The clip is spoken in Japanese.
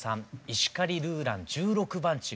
「石狩ルーラン十六番地」